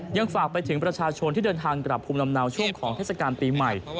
ยังฝากไปถึงประชาชนที่เดินทางกลับภูมิลำเนาช่วงของเทศกาลปีใหม่